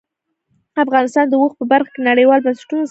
افغانستان د اوښ په برخه کې نړیوالو بنسټونو سره کار کوي.